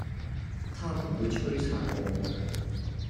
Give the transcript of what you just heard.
他們會摧殘我們